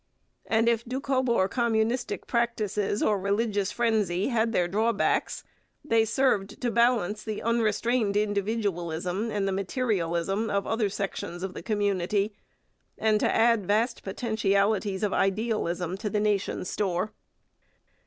And if Doukhobor communistic practices or religious frenzy had their drawbacks, they served to balance the unrestrained individualism and the materialism of other sections of the community, and to add vast potentialities of idealism to the nation's store.